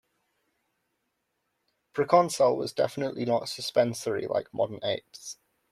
"Proconsul" was definitely not suspensory like modern apes.